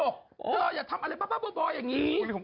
เค้าปั้นเราเป็นพิธีโกน